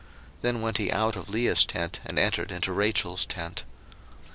Then went he out of Leah's tent, and entered into Rachel's tent.